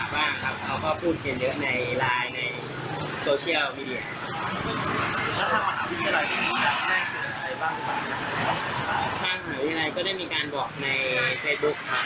บ้างก็ได้มีการบอกในไซบุ๊คค่ะ